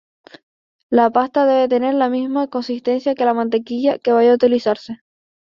La pasta debe tener la misma consistencia que la mantequilla que vaya a utilizarse.